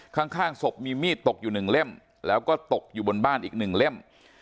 ข้างศพมีมีดตกอยู่หนึ่งเล่มแล้วก็ตกอยู่บนบ้านอีกหนึ่งเล่ม